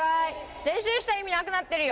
練習した意味、なくなってるよ。